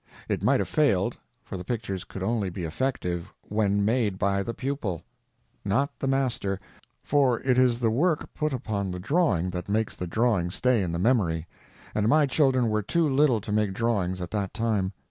It might have failed, for the pictures could only be effective when made by the pupil; not the master, for it is the work put upon the drawing that makes the drawing stay in the memory, and my children were too little to make drawings at that time.